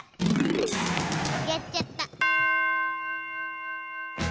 やっちゃった。